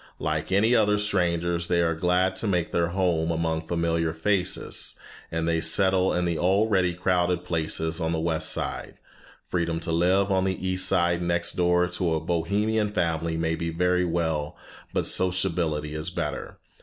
Like any other strangers they are glad to make their home among familiar faces, and they settle in the already crowded places on the West Side. Freedom to live on the East Side next door to a Bohemian family may be very well, but sociability is better.